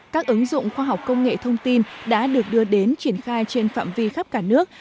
các ứng dụng khoa học công nghệ thông tin đã được đưa đến triển khai trên phạm vi khắp cả nước